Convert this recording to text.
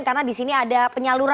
karena disini ada banyak yang berkata